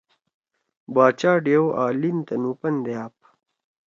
باچا ڈیؤ آں لین تنُو پن دے آپ۔